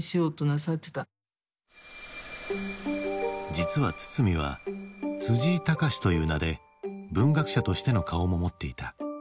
実は堤は井喬という名で文学者としての顔も持っていた。